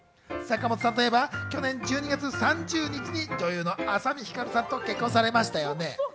坂本さんといえば、去年１２月３０日に女優の朝海ひかるさんと結婚されましたよね。